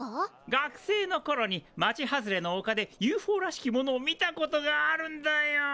学生のころに町外れのおかでＵＦＯらしきものを見たことがあるんだよ。